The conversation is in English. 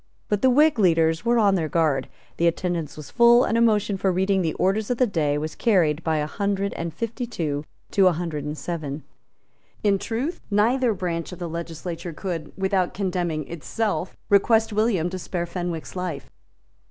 But the Whig leaders were on their guard; the attendance was full; and a motion for reading the Orders of the Day was carried by a hundred and fifty two to a hundred and seven. In truth, neither branch of the legislature could, without condemning itself, request William to spare Fenwick's life.